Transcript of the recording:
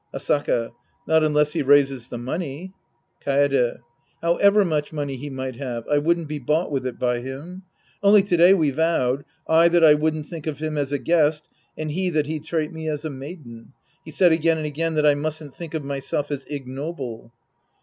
Asaka. Not unless he raises the money. Kaede. However much money he might have, I wouldn't be bought with it by him. Only to day we vowed, I that I wouldn't think of him as a guest and he that he'd treat me as a maiden. He said again and again that I mustn't think of myself as ignoble.